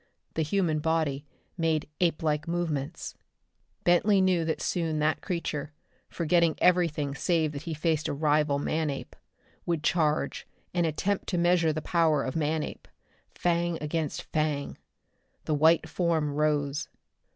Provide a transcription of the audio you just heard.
The human body made ape like movements. Bentley knew that soon that creature, forgetting everything save that he faced a rival man ape, would charge and attempt to measure the power of Manape fang against fang. The white form rose.